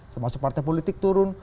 termasuk partai politik turun